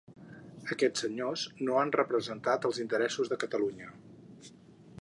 Aquests senyors no han representat els interessos de Catalunya.